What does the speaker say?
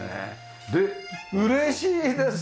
で嬉しいですね！